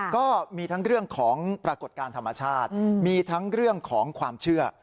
ก็มีทั้งเรื่องของปรากฏการณ์ธรรมชาติมีทั้งเรื่องของความเชื่อ